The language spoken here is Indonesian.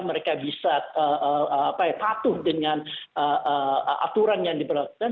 mereka bisa patuh dengan aturan yang diperlakukan